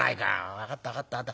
「分かった分かった分かった。